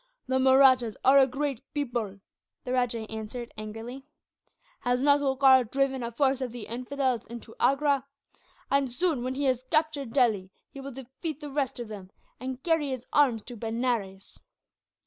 "The Mahrattas are a great people," the rajah answered, angrily. "Has not Holkar driven a force of the infidels into Agra? And soon, when he has captured Delhi, he will defeat the rest of them, and carry his arms to Benares."